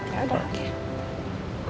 ya udah oke